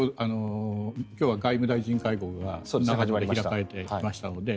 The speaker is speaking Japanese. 今日は外務大臣会合が開かれていましたので。